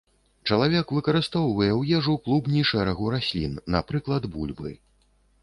Чалавек выкарыстоўвае ў ежу клубні шэрагу раслін, напрыклад, бульбы.